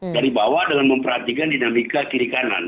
dari bawah dengan memperhatikan dinamika kiri kanan